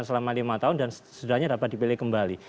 jabatan selama lima tahun dan setelahnya dapat dipilih kembali